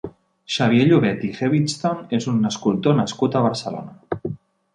Xavier Llobet i Hewitson és un escultor nascut a Barcelona.